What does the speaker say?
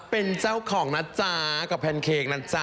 เป็นเจ้าของนะจ๊ะกับแพนเค้กนะจ๊ะ